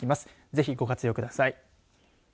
ぜひ、ご活用ください。